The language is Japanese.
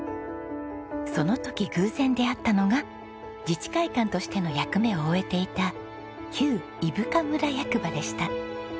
その時偶然出会ったのが自治会館としての役目を終えていた旧伊深村役場でした。